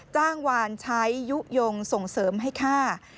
จ้างวานใช้ยุโยงส่งเสริมให้ฆ่า